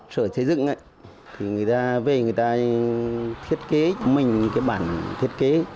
sở xây dựng thì người ta về người ta thiết kế mình cái bản thiết kế